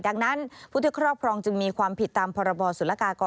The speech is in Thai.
ดังนั้นผู้ที่ครอบครองจึงมีความผิดตามพรบศุลกากร